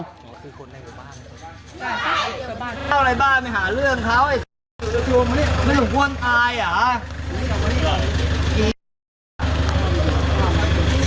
พี่อยากสะบวนสินะสิ